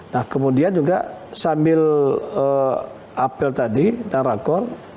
nah kemudian juga sambil apel tadi dan rakor